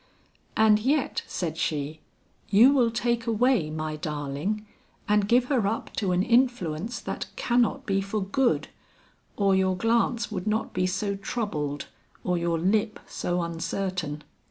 "And yet," said she, "you will take away my darling and give her up to an influence that can not be for good, or your glance would not be so troubled or your lip so uncertain.